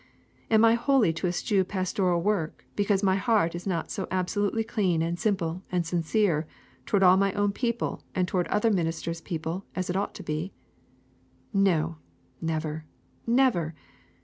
And am I wholly to eschew pastoral work because my heart is not so absolutely clean and simple and sincere toward all my own people and toward other ministers' people as it ought to be? No! Never! Never!